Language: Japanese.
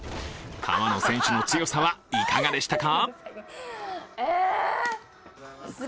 川野選手の強さはいかがでしたか？